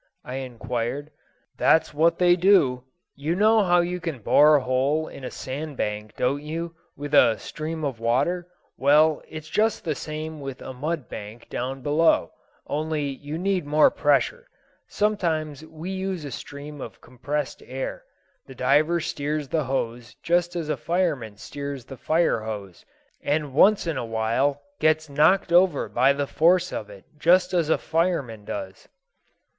I inquired. "That's what they do. You know how you can bore a hole in a sand bank, don't you, with a stream of water? Well, it's just the same with a mud bank down below, only you need more pressure. Sometimes we use a stream of compressed air. The diver steers the hose just as a fireman steers the fire hose, and once in a while gets knocked over by the force of it, just as a fireman does."